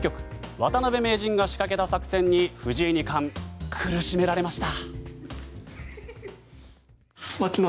渡辺名人が仕掛けた作戦に藤井二冠、苦しめられました。